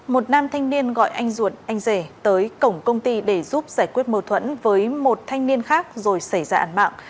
một nam thanh niên gọi anh ruột anh rể tới cổng công ty để giúp giải quyết mâu thuẫn với một thanh niên khác rồi xảy ra ảnh mạng